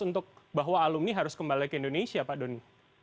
untuk bahwa alumni harus kembali ke indonesia pak doni